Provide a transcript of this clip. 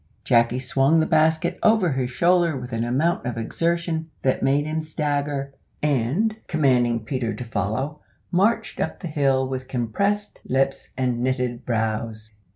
Jacky swung the basket over his shoulder with an amount of exertion that made him stagger, and, commanding Peter to follow, marched up the hill with compressed lips and knitted brows.